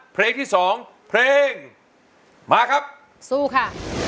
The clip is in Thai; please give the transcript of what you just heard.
เพลงที่สองเพลงมาครับสู้ค่ะ